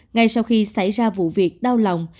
ngay sau khi xảy ra vụ việc đau lòng